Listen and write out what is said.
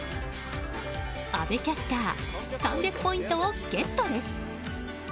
阿部キャスター３００ポイントをゲットです！